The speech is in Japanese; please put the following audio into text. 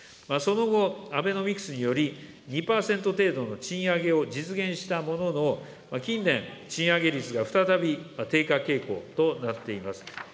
その後、アベノミクスにより、２％程度の賃上げを実現したものの、近年、賃上げ率が再び低下傾向となっています。